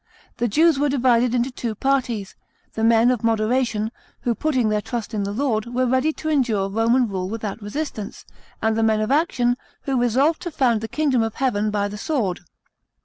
The Jews were divided into two parties ; the men of moderation, who, putting their trust in the Lord, were ready to endure Roman rule without resistance, and the men of action, who resolved to found the kingdom of heaven by the sword.